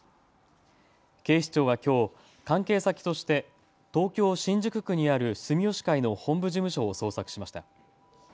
警視庁はきょう、関係先として東京新宿区にある住吉会の本部事務所を捜索しました。